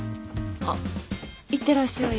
あっいってらっしゃい。